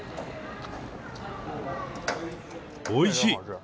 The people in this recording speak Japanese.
おいしい。